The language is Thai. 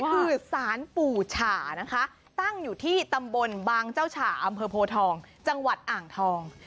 คือสารปู่ฉ่านะคะตั้งอยู่ที่ตำบลบางเจ้าฉ่าอำเภอโพทองจังหวัดอ่างทอง